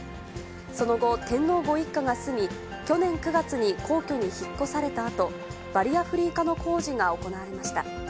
その後、天皇ご一家が住み、去年９月に皇居に引っ越されたあと、バリアフリー化の工事が行われました。